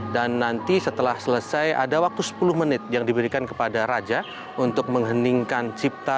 dan nanti setelah selesai ada waktu sepuluh menit yang diberikan kepada raja untuk mengheningkan cipta